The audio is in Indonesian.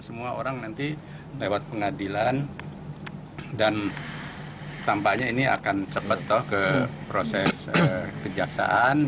semua orang nanti lewat pengadilan dan tampaknya ini akan cepat ke proses kejaksaan